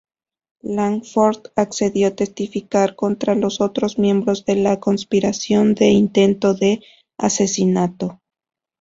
Langford accedió testificar contra los otros miembros de la conspiración de intento de asesinato.